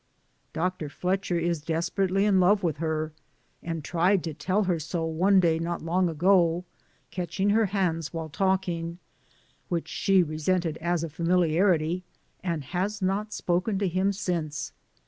Dr. Fletcher is desperately in love with her and tried to tell her so one day not long ago, catching her hands while talking, which she resented as a familiarity, and has not spoken to him since.